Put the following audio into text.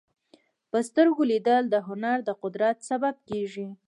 په سترګو لیدل د هنر د قدر سبب کېږي